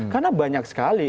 karena banyak sekali